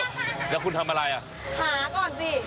ต้องรู้สัมมาคาราวะตอนนี้